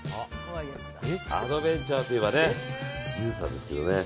アドベンチャーといえばジューサーですけどね。